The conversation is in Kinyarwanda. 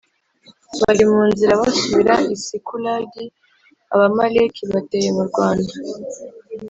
bari mu nzira basubira i Sikulagi Abamaleki bateye murwanda